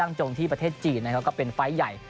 จงที่ประเทศจีนนะครับก็เป็นไฟล์ใหญ่